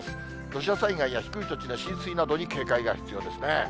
土砂災害や低い土地の浸水などに警戒が必要ですね。